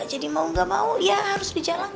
jadi mau gak mau ya harus dijalankan